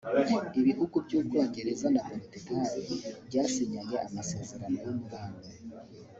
Ibihugu by’ubwongereza na Portugal byasinyanye amasezerano y’umubano